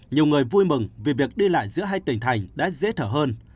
nhiều người vui mừng vì việc đi lại giữa hai tỉnh thành đã dễ thở hơn